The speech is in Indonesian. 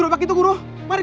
semoga keulangan atau keeping